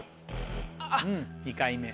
２回目。